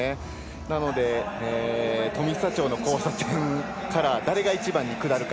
なので、富久町の交差点から誰が一番に下るか。